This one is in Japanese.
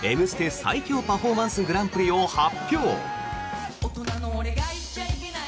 最強パフォーマンスグランプリを発表！